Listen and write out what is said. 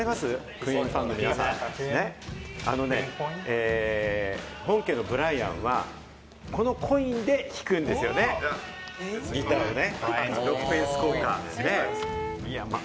クイーンファンの皆さん、本家・ブライアンはこのコインで弾くんですよね、ギターをね。